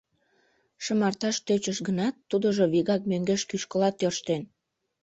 Шымарташ тӧчыш гынат, тудыжо вигак мӧҥгеш кӱшкыла тӧрштен.